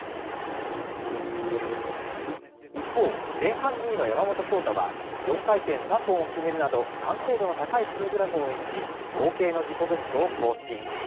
一方、前半２位の山本草太は、４回転３本を決めるなど、完成度の高いプログラムを演じ、合計の自己ベストを更新。